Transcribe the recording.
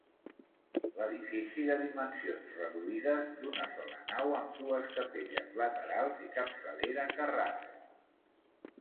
Edifici de dimensions reduïdes, d'una sola nau amb dues capelles laterals i capçalera carrada.